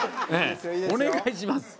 お願いします